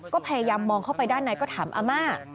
ก็พยายามมองเข้าไปด้านในก็ถามอาม่า